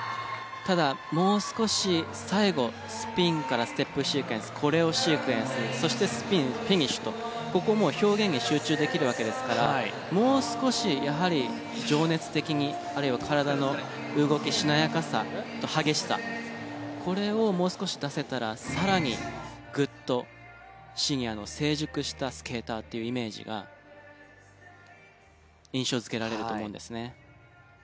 ただもう少し最後スピンからステップシークエンスコレオシークエンスそしてスピンフィニッシュとここもう表現に集中できるわけですからもう少しやはり情熱的にあるいは体の動きしなやかさと激しさこれをもう少し出せたら更にグッとシニアの成熟したスケーターっていうイメージが印象づけられると思うんですね。